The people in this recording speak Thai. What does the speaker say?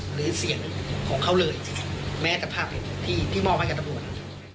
หรือเสียงของเขาเลยแม้แต่ภาพที่มอบให้กับตำรวจ